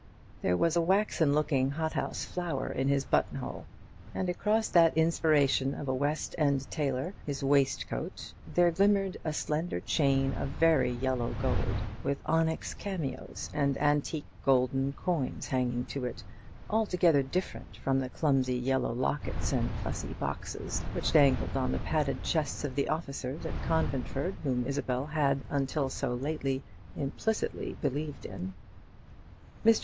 There was a waxen looking hothouse flower in his button hole, and across that inspiration of a West end tailor, his waistcoat, there glimmered a slender chain of very yellow gold, with onyx cameos and antique golden coins hanging to it, altogether different from the clumsy yellow lockets and fusee boxes which dangled on the padded chests of the officers at Conventford, whom Isabel had until lately so implicitly believed in. Mr.